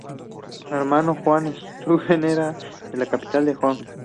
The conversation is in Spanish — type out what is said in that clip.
Su hermano, Jan Schouten, era el capitán del "Hoorn".